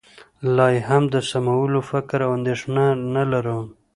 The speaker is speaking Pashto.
لا یې هم د سمولو فکر او اندېښنه نه لرو